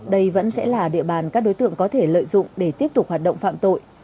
đây vẫn sẽ là địa bàn các đối tượng có thể lợi dụng để tiếp tục hoạt động phạm tội